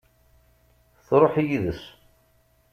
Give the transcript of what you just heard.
Truḥ yid-s.